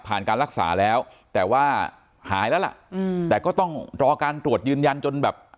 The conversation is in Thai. การรักษาแล้วแต่ว่าหายแล้วล่ะอืมแต่ก็ต้องรอการตรวจยืนยันจนแบบ